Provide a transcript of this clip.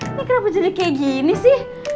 ini kenapa jadi kayak gini sih